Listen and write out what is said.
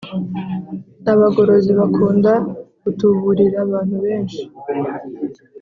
Abagorozi bakunda gutuburira abantu benshi